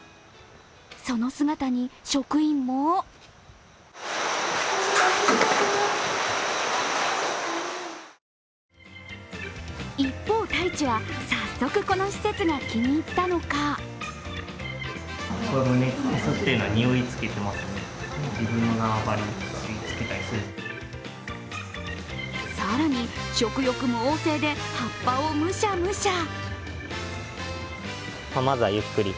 その姿に職員も一方、タイチは早速この施設が気に入ったのか更に食欲も旺盛で、葉っぱをムシャムシャ。